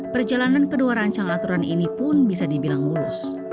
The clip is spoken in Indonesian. perjalanan kedua rancang aturan ini pun bisa dibilang mulus